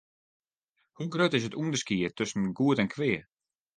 Hoe grut is it ûnderskied tusken goed en kwea?